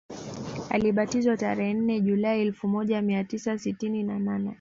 Alibatizwa tarehe nne julai elfu moja mia tisa sitini na nne